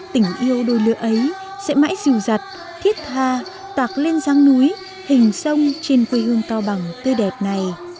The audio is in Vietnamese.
tình yêu đôi lửa ấy sẽ mãi dìu dặt thiết tha tạc lên giang núi hình sông trên quê hương cao bằng tươi đẹp này